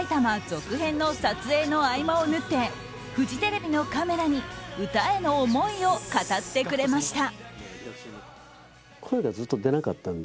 続編の撮影の合間を縫ってフジテレビのカメラに歌への思いを語ってくれました。